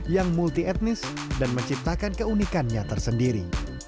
yang multi etnis dan menciptakan keunikannya tersendiri